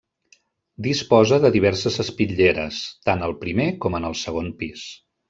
Disposa de diverses espitlleres, tant al primer com en el segon pis.